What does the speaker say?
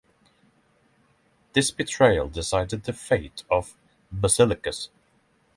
This betrayal decided the fate of Basiliscus.